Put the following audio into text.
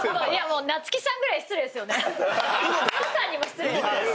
うのさんにも失礼。